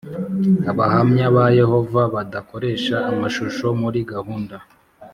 Abahamya ba Yehova badakoresha amashusho muri gahunda